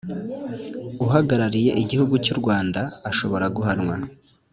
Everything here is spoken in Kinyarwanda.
Uhagararuye Igihugu cy u Rwanda ashobora guhanwa